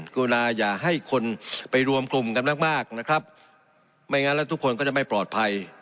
กรุณาอย่าให้คนไปรวมกลุ่มกันมากมากนะครับไม่งั้นแล้วทุกคนก็จะไม่ปลอดภัย